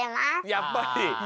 やっぱり。